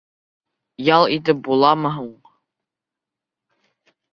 Ял итеп буламы һуң?